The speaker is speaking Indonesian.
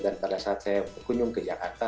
dan pada saat saya kunjung ke jakarta